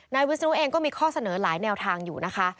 วิศนุเองก็มีข้อเสนอหลายแนวทางอยู่นะคะ